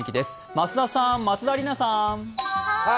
増田さん、松田里奈さん。